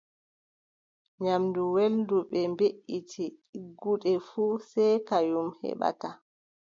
Nyaamdu welndu bee beʼitte ɗigguɗe fuu, sey kanjum heɓata.